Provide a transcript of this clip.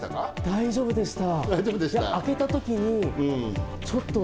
大丈夫でした。